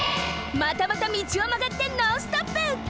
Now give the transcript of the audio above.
またまた道をまがってノンストップ！